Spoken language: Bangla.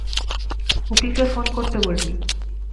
উকিলকে ফোন করতে বলবি।